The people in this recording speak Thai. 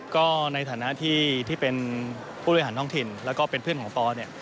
ก็ในฐานะที่เป็นผู้อาหารท่องถิ่นและเป็นเพื่อนของปอส